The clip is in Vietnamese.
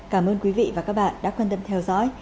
cảm ơn quý vị và các bạn đã quan tâm theo dõi